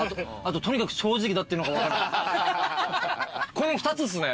この２つっすね。